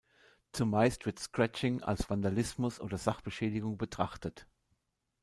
Zumeist wird Scratching als Vandalismus oder Sachbeschädigung betrachtet.